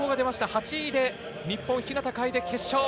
８位で日本日向楓決勝。